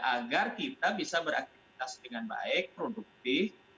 agar kita bisa beraktivitas dengan baik produktif